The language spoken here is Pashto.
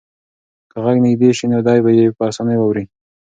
که غږ نږدې شي نو دی به یې په اسانۍ واوري.